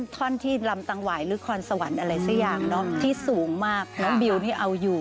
ท่อนที่ลำตังหวายหรือคอนสวรรค์อะไรสักอย่างเนอะที่สูงมากน้องบิวนี่เอาอยู่